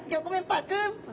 パクッ。